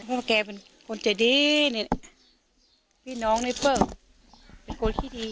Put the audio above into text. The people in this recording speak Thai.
เพราะแกเป็นคนใจดีนี่นี่พี่น้องนี่เปิ่งเป็นคนขี้ดี